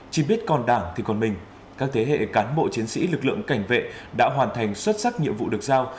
chỉ biết còn đảng thì còn mình các thế hệ cán bộ chiến sĩ lực lượng cảnh vệ đã hoàn thành xuất sắc nhiệm vụ được giao